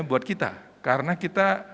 buat kita karena kita